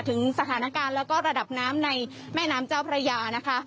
ถึงสถานการณ์แล้วก็ระดับน้ำในแม่น้ำเจ้าพระยานะคะ